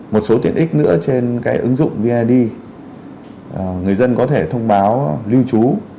một số tiện ích nữa trên ứng dụng vnad người dân có thể thông báo lưu trú